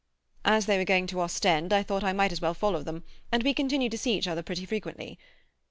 "As they were going to Ostend I thought I might as well follow them, and we continue to see each other pretty frequently.